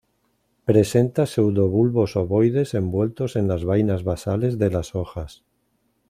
Presenta pseudobulbos ovoides envueltos en las vainas basales de las hojas.